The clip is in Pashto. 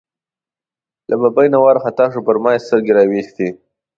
له ببۍ نه وار خطا شو، پر ما یې سترګې را وایستې.